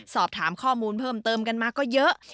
สอบถามข้อมูลเพิ่มเติมกันมาก็เยอะ